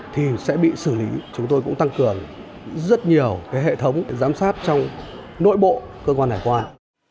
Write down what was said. thì sẽ bị xử lý chúng tôi cũng tăng cường rất nhiều hệ thống giám sát trong nội bộ cơ quan hải quan